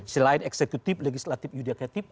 selain eksekutif legislatif yudikatif